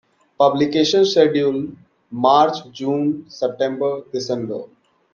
Publication schedule March, June, September, December.